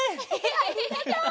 ありがとう。